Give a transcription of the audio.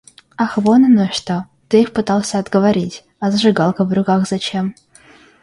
Ах вон оно что, ты их пытался отговорить. А зажигалка в руках зачем?